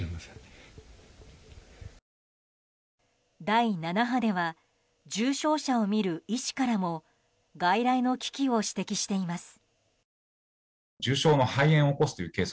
第７波では重症者を診る医師からも外来の危機を指摘しています。